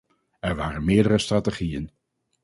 Er waren meerdere strategieën.